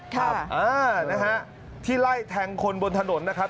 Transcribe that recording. ครับอ่านะฮะที่ไล่แทงคนบนถนนนะครับ